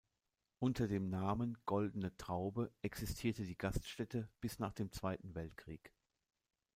Unter dem Namen „Goldene Traube“ existierte die Gaststätte bis nach dem Zweiten Weltkrieg.